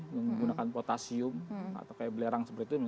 yang digunakan potasium atau kayak belerang seperti itu